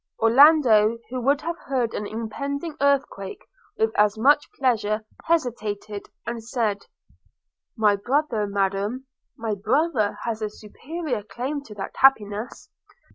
Orlando, who would have heard of an impending earthquake with as much pleasure, hesitated, and said, 'My brother, Madam – my brother has a superior claim to that happiness.'